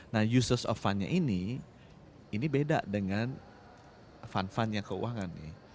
nah users of fund nya ini ini beda dengan fund fundnya keuangan ya